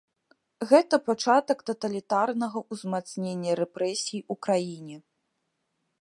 Гэта пачатак таталітарнага ўзмацнення рэпрэсій у краіне.